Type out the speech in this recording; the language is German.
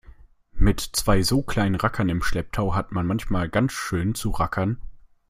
Mit zwei so kleinen Rackern im Schlepptau hat man manchmal ganz schön zu rackern.